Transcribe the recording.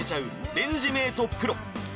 レンジメートプロ